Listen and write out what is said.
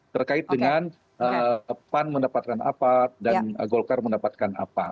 terkait dengan pan mendapatkan apa dan golkar mendapatkan apa